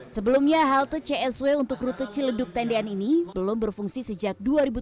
sebelumnya halte csw untuk rute ciledug tendian ini belum berfungsi sejak dua ribu tujuh belas